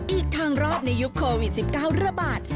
อีกทางรอดในยุคโควิด๑๙ระบาด